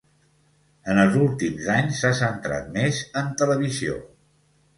En els últims anys s'ha centrat més en televisió.